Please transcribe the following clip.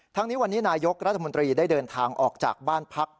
ทั้งนี้วันนี้นายกรัฐมนตรีได้เดินทางออกจากบ้านพัก